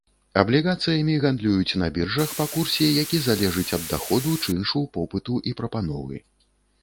Аблігацыямі гандлююць на біржах па курсе, які залежыць ад даходу, чыншу, попыту і прапановы.